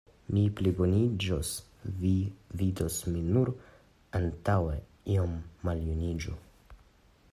Mi pliboniĝos, vi vidos, mi nur antaŭe iom maljuniĝu!